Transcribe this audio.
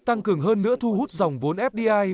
tăng cường hơn nữa thu hút dòng vốn fdi